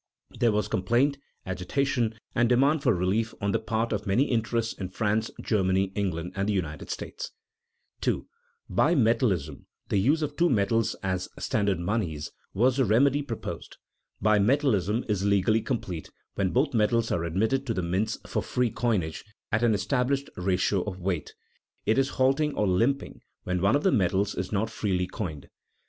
There was complaint, agitation, and demand for relief on the part of many interests in France, Germany, England, and the United States. [Sidenote: Bitmetallism defined] 2. Bimetallism, the use of two metals as standard moneys, was the remedy proposed. Bimetallism is legally complete when both metals are admitted to the mints for free coinage at an established ratio of weight; it is halting or limping when one of the metals is not freely coined.